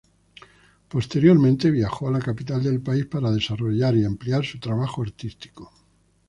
Posteriormente, viajó a la capital del país para desarrollar y ampliar su trabajo artístico.